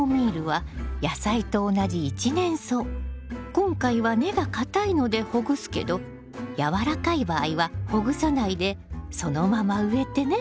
今回は根が硬いのでほぐすけどやわらかい場合はほぐさないでそのまま植えてね。